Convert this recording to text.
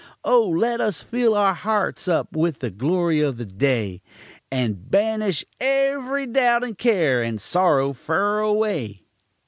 Oh! let us fill our harts up with the glory of the day, And banish ev'ry doubt and care and sorrow fur away!